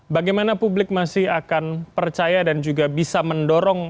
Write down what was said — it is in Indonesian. bagaimana publik masih akan percaya dan juga bisa mendorong